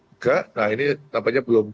enggak nah ini tampaknya belum